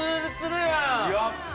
やった！